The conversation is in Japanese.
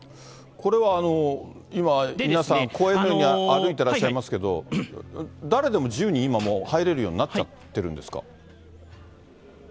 これは今、皆さん、公園のように歩いてらっしゃいますけど、誰でも自由に今、もう入れるようになっちゃっているんですか。